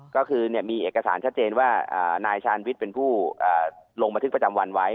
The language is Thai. ก็คือมีเอกสารชัดเจนว่านายชาญวิทย์เป็นผู้ลงบันทึกประจำวันไว้